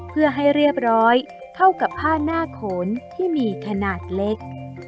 เพื่อให้เรียบร้อยเข้ากับผ้าหน้าโขนที่มีขนาดเล็ก